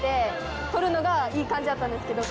のがいい感じやったんですけど。